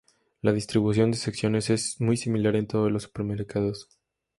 La distribución de secciones es muy similar en todos los supermercados.